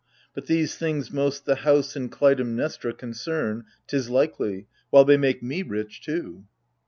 " But these things most the house and Klutaimnestra Concern, 'tis likely : while they make me rich, too.